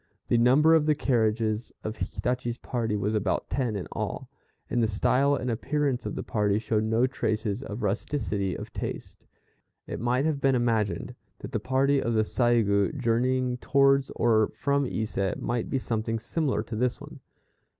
The number of the carriages of Hitachi's party was about ten in all, and the style and appearance of the party showed no traces of rusticity of taste. It might have been imagined that the party of the Saigû journeying towards or from Ise, might be something similar to this one.